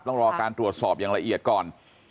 ต้องรอการตรวจสอบอย่างละเอียดก่อน